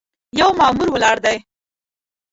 یو مامور ولاړ دی.